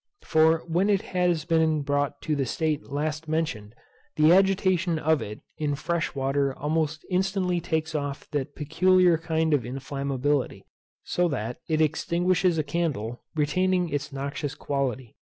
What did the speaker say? For when it has been brought to the state last mentioned, the agitation of it in fresh water almost instantly takes off that peculiar kind of inflammability, so that it extinguishes a candle, retaining its noxious quality.